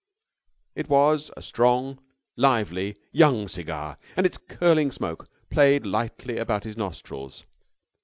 It was a strong, lively young cigar, and its curling smoke played lightly about his nostrils.